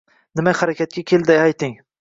Nima harakatga keldi ayting?